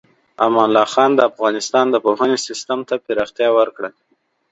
امان الله خان د افغانستان د پوهنې سیستم ته پراختیا ورکړه.